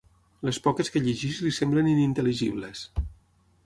Les poques que llegeix li semblen inintel·ligibles.